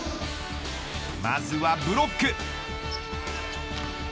まずはブロック。